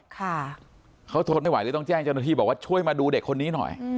ค่ะเขาทนไม่ไหวเลยต้องแจ้งเจ้าหน้าที่บอกว่าช่วยมาดูเด็กคนนี้หน่อย